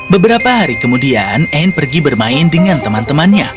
beberapa hari kemudian anne pergi bermain dengan teman temannya